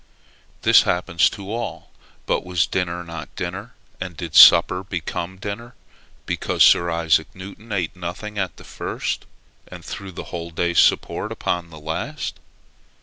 This happens to all; but was dinner not dinner, and did supper become dinner, because Sir Isaac Newton ate nothing at the first, and threw the whole day's support upon the last?